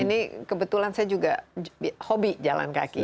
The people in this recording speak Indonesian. ini kebetulan saya juga hobi jalan kaki